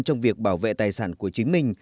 trong việc bảo vệ tài sản của chính mình